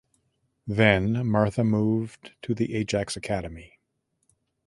Then Martha moved to the Ajax academy.